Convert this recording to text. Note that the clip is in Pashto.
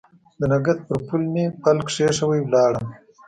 د نګهت پر پل مې پل کښېښوی ولاړم